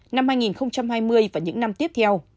năm hai nghìn hai mươi và những năm tiếp theo